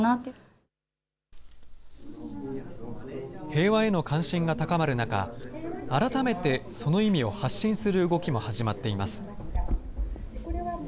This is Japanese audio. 平和への関心が高まる中、改めてその意味を発信する動きも始まっています。